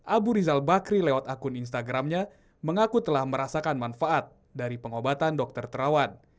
abu rizal bakri lewat akun instagramnya mengaku telah merasakan manfaat dari pengobatan dokter terawan